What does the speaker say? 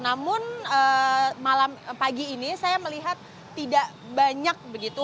namun malam pagi ini saya melihat tidak banyak begitu